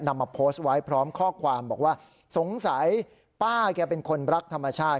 นำมาโพสต์ไว้พร้อมข้อความบอกว่าสงสัยป้าแกเป็นคนรักธรรมชาติ